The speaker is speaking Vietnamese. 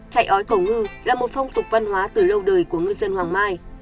chạy ói cầu ngư là một phong tục văn hóa từ lâu đời của ngư dân hoàng mai